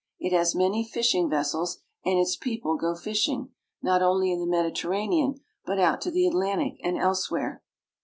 It has many fishing vessels, and its people go fishing, not only in the Mediterranean, but out to the Atlantic and elsewhere.